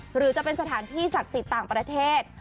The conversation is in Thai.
หรือจะเป็นสถานที่ศักดิ์สิทธิ์ต่างประเทศ